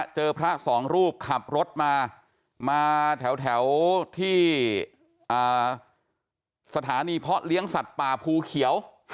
พระสองรูปขับรถมามาแถวที่สถานีเพาะเลี้ยงสัตว์ป่าภูเขียว